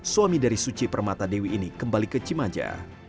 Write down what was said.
suami dari suci permata dewi ini kembali ke cimaja